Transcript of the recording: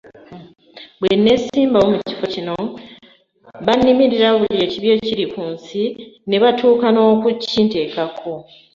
Bwe nneesimbawo ku kifo kino bannimirira buli ekibi ekiri ku nsi ne batuuka n’okukinteekako.